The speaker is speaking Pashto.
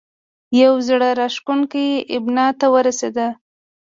یوه زړه راښکونې ابنا ته ورسېد.